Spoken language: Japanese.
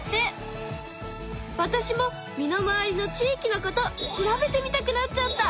わたしも身の回りの地域のこと調べてみたくなっちゃった。